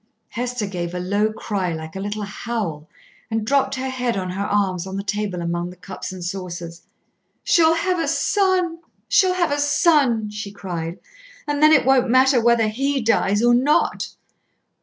Hester gave a low cry like a little howl, and dropped her head on her arms on the table among the cups and saucers. "She'll have a son! She'll have a son!" she cried. "And then it won't matter whether he dies or not."